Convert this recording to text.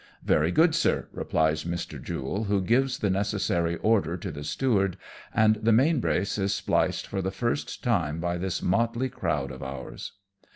" Very good, sir," replies Mr. Jule, who gives the necessary order to the steward, and the main brace is spliced for the first time by this motley crowd of ours.